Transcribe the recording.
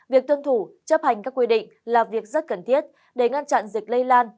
việc tuân thủ chấp hành các quy định là việc rất cần thiết để ngăn chặn dịch lây lan